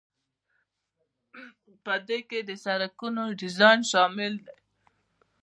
په دې کې د سړکونو ډیزاین شامل دی.